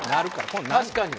確かに。